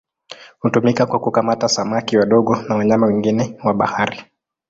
Hutumika kwa kukamata samaki wadogo na wanyama wengine wa bahari.